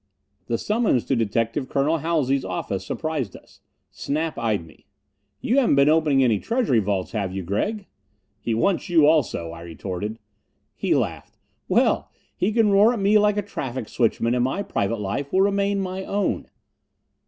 The summons to Detective Colonel Halsey's office surprised us. Snap eyed me. "You haven't been opening any treasury vaults, have you, Gregg?" "He wants you, also," I retorted. He laughed. "Well, he can roar at me like a traffic switchman and my private life will remain my own."